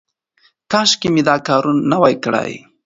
کاشکې مې دا کار نه وای کړی.